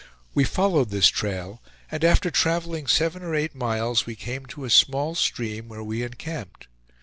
We followed this trail, and after traveling seven or eight miles, we came to a small stream, where we encamped.